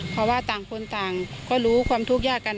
เพราะว่าต่างคนต่างก็รู้ความทุกข์ยากกัน